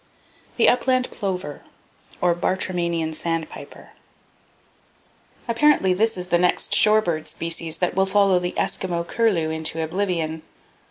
The Upland Plover, Or "Bartramian Sandpiper." —Apparently this is the next shore bird species that will follow the Eskimo curlew into [Page 21] oblivion.